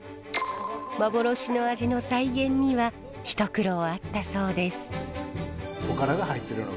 幻の味の再現には一苦労あったそうです。